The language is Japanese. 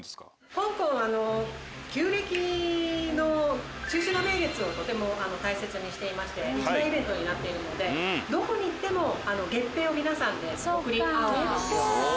香港は旧暦の中秋の名月をとても大切にしていまして一大イベントになっているのでどこに行っても月餅を皆さんで贈り合うんですよ。